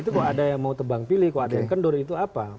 itu kok ada yang mau tebang pilih kok ada yang kendur itu apa